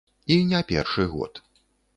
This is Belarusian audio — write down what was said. І не першы год.